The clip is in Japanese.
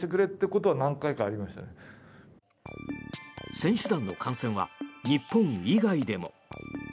選手団の感染は日本以外でも。